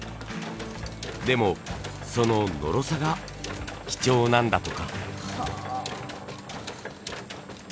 でもそののろさが貴重なんだとか。